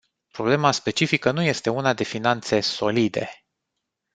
Problema specifică nu este una de finanțe "solide”.